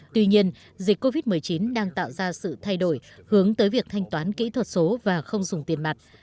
tuy nhiên dịch covid một mươi chín đang tạo ra sự thay đổi hướng tới việc thanh toán kỹ thuật số và không dùng tiền mặt